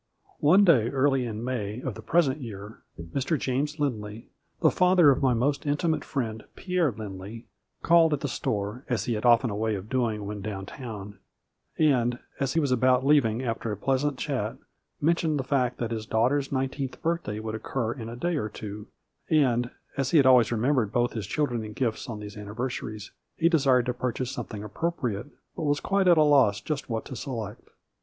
One day early in May of the present year Mr. James Lindley, the father of my most in timate friend, Pierre Lindley, called at the store, as he had often a way of doing when down town, and, as he was about leaving after a pleasant chat, mentioned the fact that his daughter's nineteenth birthday would occur in a day or two, and, as he always remembered both his children in gifts on these anniversaries, he de sired to purchase something appropriate, but was quite at a loss just what to select.